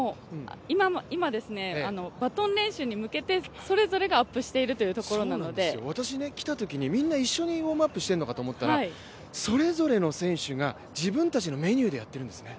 今、バトン練習に向けて、それぞれがアップしているというところなので私来たときにみんな一緒にウォームアップしているのかと思ったらそれぞれの選手が自分たちのメニューでやってるんですね。